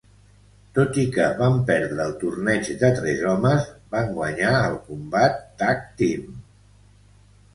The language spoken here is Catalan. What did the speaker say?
Tot i que van perdre el torneig de tres homes, van guanyar el combat Tag Team.